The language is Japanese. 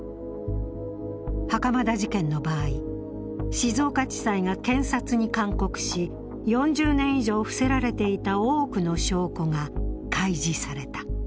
袴田事件の場合、静岡地裁が検察に勧告し４０年以上伏せられていた多くの証拠が開示された。